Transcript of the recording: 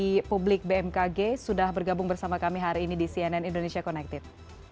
di publik bmkg sudah bergabung bersama kami hari ini di cnn indonesia connected